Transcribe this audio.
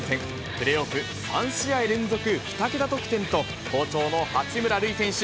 プレーオフ３試合連続２桁得点と、好調の八村塁選手。